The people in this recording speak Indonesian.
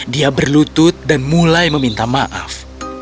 dia berlutut dan mulai meminta maaf